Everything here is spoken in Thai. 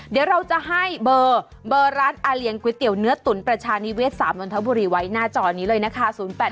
เดี๋ยวเราจะให้เบอร์ร้านอาเลียงก๋วยเตี๋ยวเนื้อตุ๋นประชานิเวศ๓นนทบุรีไว้หน้าจอนี้เลยนะคะ